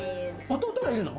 弟がいるの？